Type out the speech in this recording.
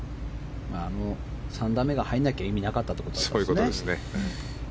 ３打目が入らなきゃ意味がなかったってことですね。